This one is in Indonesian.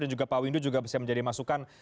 dan juga pak windu bisa menjadi masukan